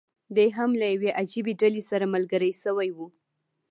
دی هم له یوې عجیبي ډلې سره ملګری شوی و.